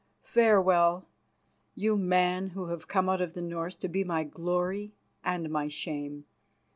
Farewell, you man who have come out of the north to be my glory and my shame.